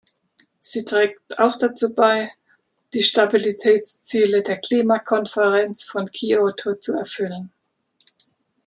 Sie trägt auch dazu bei, die Stabilitätsziele der Klimakonferenz von Kyoto zu erfüllen.